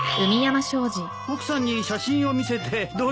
奥さんに写真を見せてどうだった？